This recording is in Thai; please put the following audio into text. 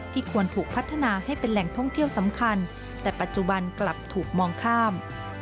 ควรถูกพัฒนาให้เป็นแหล่งท่องเที่ยวสำคัญแต่ปัจจุบันกลับถูกมองข้าม